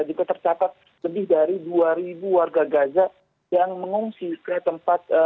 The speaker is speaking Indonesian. juga tercatat lebih dari dua warga gaza yang mengungsi ke tempat